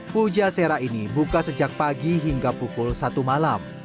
puja sera ini buka sejak pagi hingga pukul satu malam